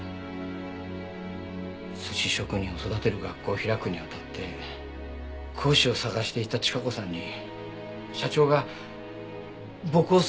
寿司職人を育てる学校を開くにあたって講師を探していた千加子さんに社長が僕を推薦してくれました。